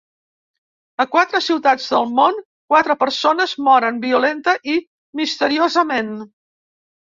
A quatre ciutats del món, quatre persones moren violenta i misteriosament.